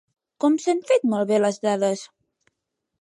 Com s"han fet malbé les dades?